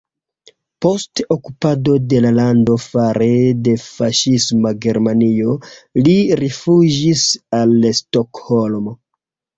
Post okupado de la lando fare de faŝisma Germanio li rifuĝis al Stokholmo.